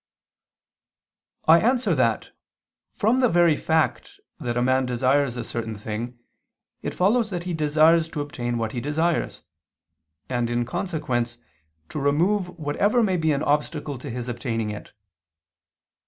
I answer that, From the very fact that a man desires a certain thing it follows that he desires to obtain what he desires, and, in consequence, to remove whatever may be an obstacle to his obtaining it.